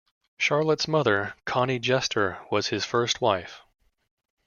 Charlotte's mother, Connie Jester, was his first wife.